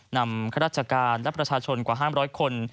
นำข้าราชการและประชาชนกว่าห้ามร้อยคน